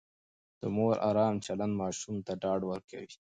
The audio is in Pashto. د مور ارام چلند ماشوم ته ډاډ ورکوي.